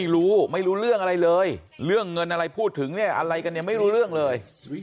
ไม่รู้ไม่รู้เรื่องอะไรเลยเรื่องเงินอะไรพูดถึงเนี่ยอะไรกันเนี่ยไม่รู้เรื่องเลย